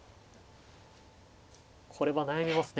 これは悩みますね。